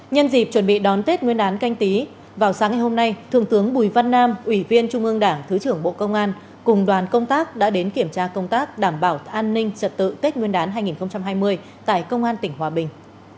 nhân dịp chuẩn bị đón tết nguyên đán canh tí vào sáng ngày hôm nay thượng tướng bùi văn nam ủy viên trung ương đảng thứ trưởng bộ công an cùng đoàn công tác đã đến kiểm tra công tác đảm bảo an ninh trật tự tết nguyên đán hai nghìn hai mươi tại công an tỉnh hòa bình